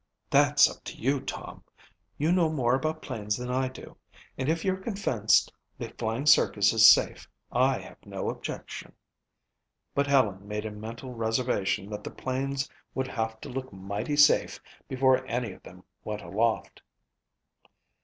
"That's up to you, Tom. You know more about planes than I do and if you're convinced the flying circus is safe, I have no objection." But Helen made a mental reservation that the planes would have to look mighty safe before any of them went aloft.